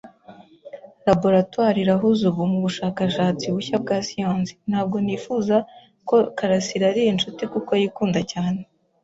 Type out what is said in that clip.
Laboratoire irahuze ubu mubushakashatsi bushya bwa siyansi. Ntabwo nifuza ko Karasiraari inshuti kuko yikunda cyane.